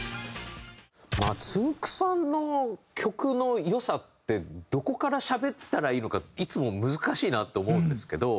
つんく♂さんの曲の良さってどこからしゃべったらいいのかいつも難しいなと思うんですけど。